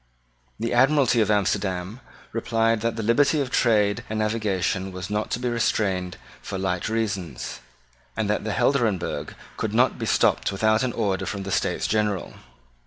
The Admiralty of Amsterdam replied that the liberty of trade and navigation was not to be restrained for light reasons, and that the Helderenbergh could not be stopped without an order from the States General.